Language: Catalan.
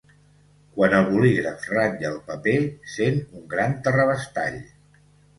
Quan el bolígraf ratlla el paper sent un gran terrabastall.